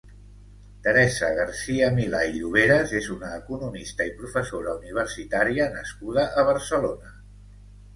Teresa Garcia-Milà i Lloveras és una economista i professsora universitària nascuda a Barcelona.